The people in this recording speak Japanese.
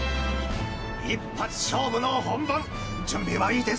一発勝負の本番準備はいいですか？